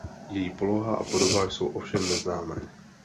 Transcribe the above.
Její poloha a podoba jsou ovšem neznámé.